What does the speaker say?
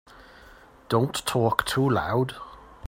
Don't talk too loud.